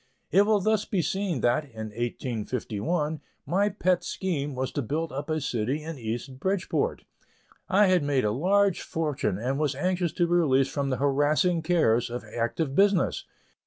It will thus be seen that, in 1851, my pet scheme was to build up a city in East Bridgeport. I had made a large fortune and was anxious to be released from the harassing cares of active business.